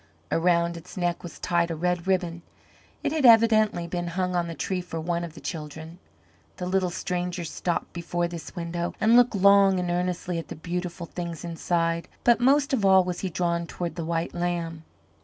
Around its neck was tied a red ribbon. It had evidently been hung on the tree for one of the children. The little stranger stopped before this window and looked long and earnestly at the beautiful things inside, but most of all was he drawn toward the white lamb.